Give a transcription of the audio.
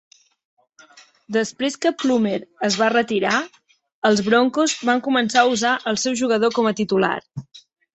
Després que Plummer es va retirar, els Broncos van començar a usar el seu jugador com a titular.